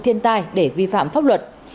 thiên tai để vi phạm pháp luật